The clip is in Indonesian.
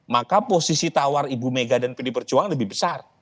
maka posisi tawar ibu mega dan pdi perjuangan lebih besar